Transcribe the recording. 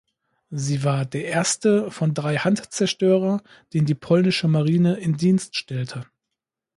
Sie war der erste von drei Hunt-Zerstörer, den die Polnische Marine in Dienst stellte.